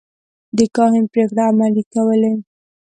د کاهن پرېکړې عملي کولې.